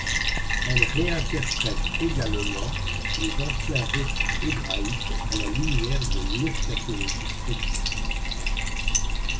Elle réinterprète également les anciens récits hébraïques à la lumière de l'eschatologie chrétienne.